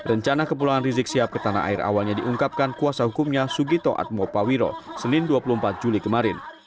rencana kepulangan rizik sihab ke tanah air awalnya diungkapkan kuasa hukumnya sugito atmo pawiro senin dua puluh empat juli kemarin